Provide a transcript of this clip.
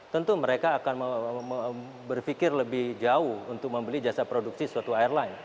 tentu mereka akan berpikir lebih jauh untuk membeli jasa produksi suatu airline